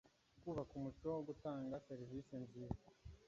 kubaka umuco wo gutanga serivisi nziza